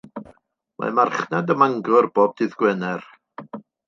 Mae marchnad ym Mangor bob dydd Gwener.